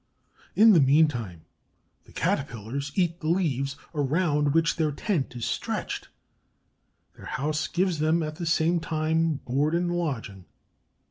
In the meantime, the Caterpillars eat the leaves around which their tent is stretched. Their house gives them at the same time board and lodging.